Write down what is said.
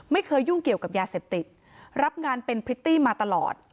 ไม่เคยยุ่งเกี่ยวกับยาเสพติดรับงานเป็นพริตตี้มาตลอด